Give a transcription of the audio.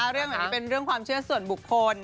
เรื่องแบบนี้เป็นเรื่องความเชื่อส่วนบุคคล